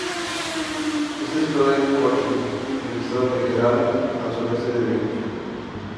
Está situada en Cochín, en el estado de Kerala, al suroeste de la India.